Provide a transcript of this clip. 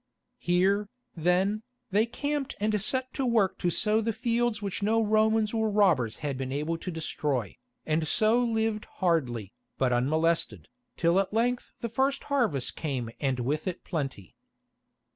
Here, then, they camped and set to work to sow the fields which no Romans or robbers had been able to destroy, and so lived hardly, but unmolested, till at length the first harvest came and with it plenty.